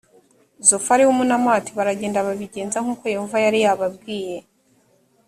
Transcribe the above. zofari w’umunamati baragenda babigenza nk ‘uko yehova yari yababwiye